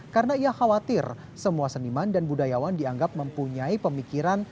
karena ia khawatir semua seniman dan budayawan dianggap mempunyai pemikiran